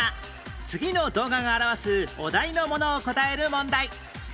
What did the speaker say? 次の動画が表すお題のものを答える問題